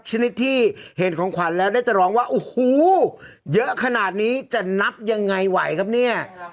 ชนิดที่เห็นของขวัญแล้วได้จะร้องว่าโอ้โหเยอะขนาดนี้จะนับยังไงไหวครับเนี่ย